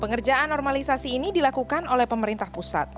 pengerjaan normalisasi ini dilakukan oleh pemerintah pusat